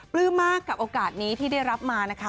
ปลื้มมากกับโอกาสนี้ที่ได้รับมานะคะ